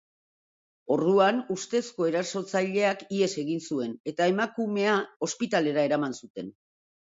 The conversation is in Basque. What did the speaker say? Orduan, ustezko erasotzaileak ihes egin zuen, eta emakumea ospitalera eraman zuten.